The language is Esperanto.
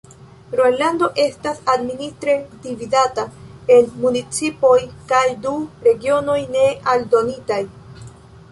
Gronlando estas administre dividata en municipoj kaj du regionoj ne aldonitaj.